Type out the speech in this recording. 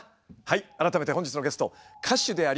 改めて本日のゲスト歌手でありモノマネ